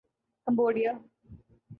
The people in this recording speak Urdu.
کمبوڈیا